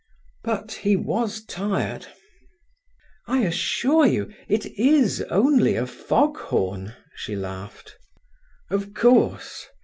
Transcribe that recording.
But he was tired. "I assure you, it is only a fog horn," she laughed. "Of course.